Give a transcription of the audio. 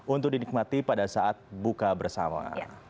untuk dinikmati pada saat buka bersama